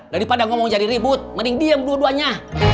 daripada ngomong jadi ribut mending diem dua duanya